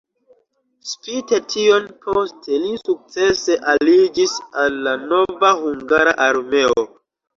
Spite tion poste li sukcese aliĝis al la nova hungara armeo.